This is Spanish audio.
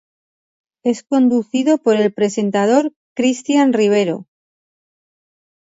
Es conducido por el presentador Cristian Rivero.